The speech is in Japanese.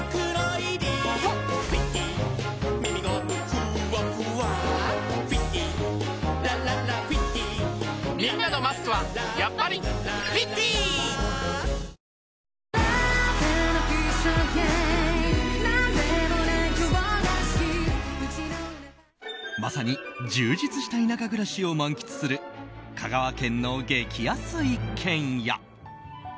新「アタックＺＥＲＯ」まさに充実した田舎暮らしを満喫する、香川県の激安一軒家。